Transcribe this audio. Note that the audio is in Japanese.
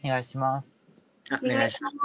お願いします。